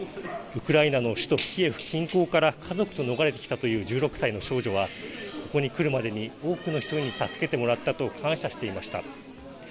ウクライナの首都キエフ近郊から家族と逃れてきたという１６歳の少女は、ここに来るまでに、多くの人に助けてもらったと感謝していました。